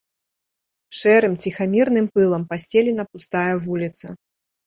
Шэрым ціхамірным пылам пасцелена пустая вуліца.